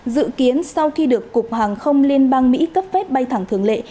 dự kiến sau khi được cục hàng không liên bang mỹ cấp phép bay thẳng thường lệ